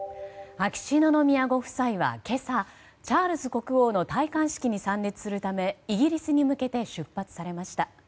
秋篠宮ご夫妻は今朝チャールズ国王の戴冠式に参列するためイギリスに向けて出発されました。